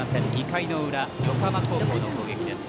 ２回の裏、横浜高校の攻撃です。